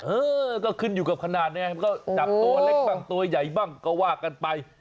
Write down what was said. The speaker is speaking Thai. เออก็ขึ้นอยู่กับขนาดไงมันก็จับตัวเล็กบ้างตัวใหญ่บ้างก็ว่ากันไป